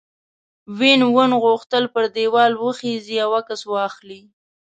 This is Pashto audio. وین وون غوښتل پر دیوال وخیژي او عکس واخلي.